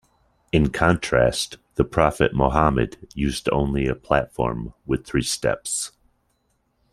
In contrast, the prophet Muhammed used only a platform with three steps.